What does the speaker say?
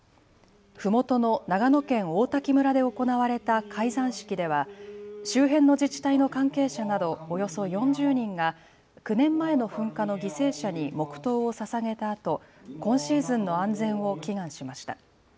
ふもとの長野県王滝村で行われた開山式では周辺の自治体の関係者などおよそ４０人が９年前の噴火の犠牲者に黙とうをささげたあと今シーズンの安全を祈願しました。